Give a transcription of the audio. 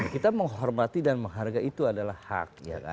kita menghormati dan menghargai itu adalah hak